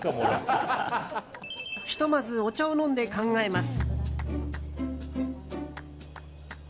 ひとまずお茶を飲んで考えます。